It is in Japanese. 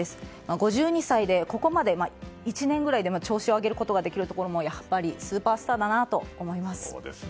５２歳で、１年くらいで調子を上げることができるところもやっぱりスーパースターだなと思います。